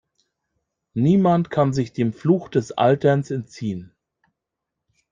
Niemand kann sich dem Fluch des Alterns entziehen.